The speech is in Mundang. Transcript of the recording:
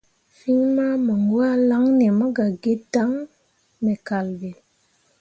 Fîi mamǝŋgwãalaŋne mo gah gi dan me kal ɓe.